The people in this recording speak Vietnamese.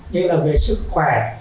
như là về sức khỏe